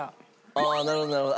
ああなるほどなるほど。